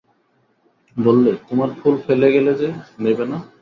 বললে, তোমার ফুল ফেলে গেলে যে, নেবে না?